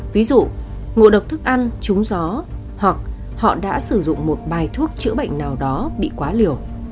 ví dụ ngộ độc thức ăn trúng gió hoặc họ đã sử dụng một bài thuốc chữa bệnh nào đó bị quá liều